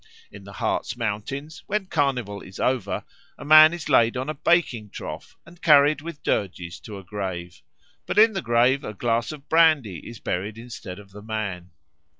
In the Harz Mountains, when Carnival is over, a man is laid on a baking trough and carried with dirges to the grave; but in the grave a glass of brandy is buried instead of the man.